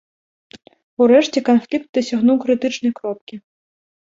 Урэшце канфлікт дасягнуў крытычнай кропкі.